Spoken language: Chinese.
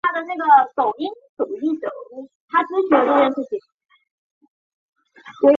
顺天府乡试第五十五名。